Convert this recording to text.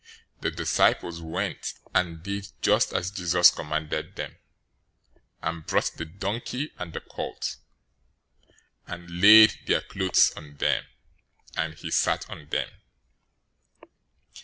"{Zechariah 9:9} 021:006 The disciples went, and did just as Jesus commanded them, 021:007 and brought the donkey and the colt, and laid their clothes on them; and he sat on them.